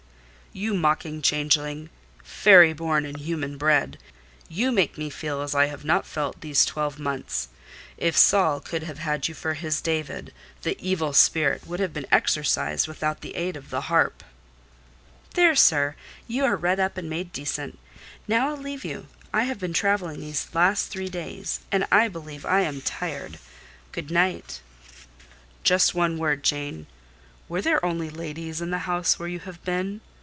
"You mocking changeling—fairy born and human bred! You make me feel as I have not felt these twelve months. If Saul could have had you for his David, the evil spirit would have been exorcised without the aid of the harp." "There, sir, you are redd up and made decent. Now I'll leave you: I have been travelling these last three days, and I believe I am tired. Good night." "Just one word, Jane: were there only ladies in the house where you have been?"